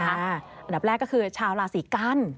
อันดับแรกก็คือชาวราศีกัน